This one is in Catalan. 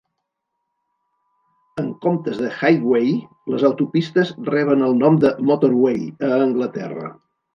En comptes de "highway", les autopistes reben el nom de "motorway" a Anglaterra.